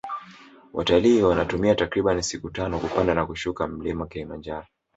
watalii wanatumia takribani siku tano kupanda na kushuka mlima kilimanjaro